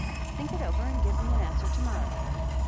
Think it over and give me an answer to morrow."